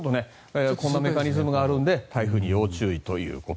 こんなメカニズムがあるので台風に要注意と。